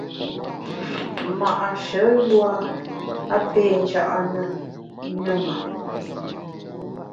Ma’she yua a pé nja’ ne ne ma !